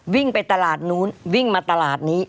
วิ่งไปตลาดนู้นวิ่งมาตลาดนี้